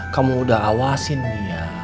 kamu udah sayangin dia